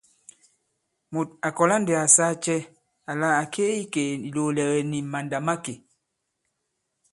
Mùt à kɔ̀la ndī à saa cɛ àla à ke i ikè ìlòòlɛ̀gɛ̀ nì màndà̂makè ?